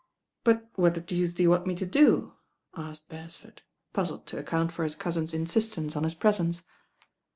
"But what the deuce do you want me to do?'? asked Beresford, puzzled to account for his cousin's insistence on his presence.